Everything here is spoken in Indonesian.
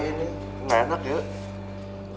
neng enak yuk